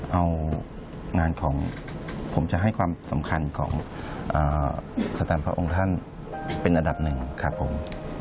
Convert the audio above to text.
เอางานของผมจะให้ความสำคัญของสแตนพระองค์ท่านเป็นอันดับหนึ่งครับผม